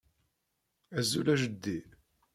Azul a jeddi.